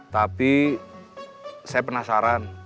tapi saya penasaran